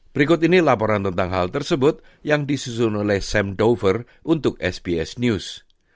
berikut ini laporan tentang hal tersebut yang disusun oleh sam dover untuk sbs news